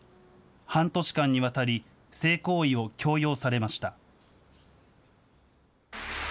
半年間にわたり、性行為を強要されました。